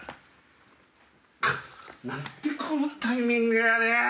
何でこのタイミングやねん！